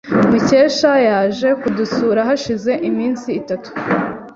Mukesha yaje kudusura hashize iminsi itatu.